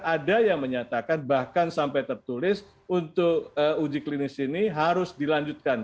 ada yang menyatakan bahkan sampai tertulis untuk uji klinis ini harus dilanjutkan